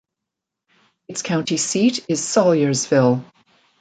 Its county seat is Salyersville.